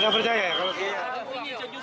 nggak percaya ya kalau kayaknya